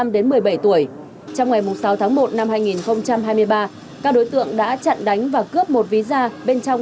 trong một mươi bảy tuổi trong ngày sáu tháng một năm hai nghìn hai mươi ba các đối tượng đã chặn đánh và cướp một ví da bên trong